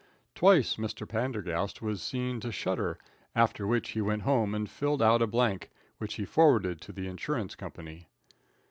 Twice Mr. Pendergast was seen to shudder, after which he went home and filled out a blank which he forwarded to the insurance company.